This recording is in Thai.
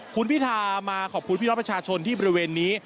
คุณพิธามาขอบคุณพี่น้องประชาชนที่บริเวณนี้